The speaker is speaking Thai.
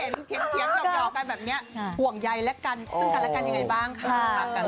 มี่ยุ่งหัวกันอยู่บอกยุ่งหัวกัน